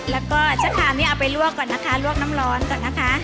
แล้วก็ชะคามนี่เอาไปลวกก่อนนะคะลวกน้ำร้อนก่อนนะคะ